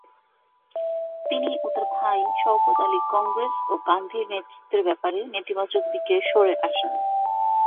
তিনি ও তার ভাই শওকত আলি কংগ্রেস ও গান্ধীর নেতৃত্বের ব্যাপারে নেতিবাচক দিকে সরে আসেন।